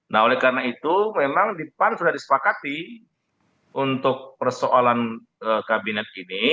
nah oleh karena itu memang di pan sudah disepakati untuk persoalan kabinet ini